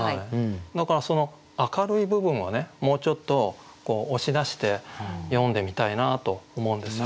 だからその明るい部分はもうちょっと押し出して詠んでみたいなと思うんですよ。